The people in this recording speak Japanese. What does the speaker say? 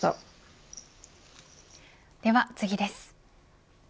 では次です。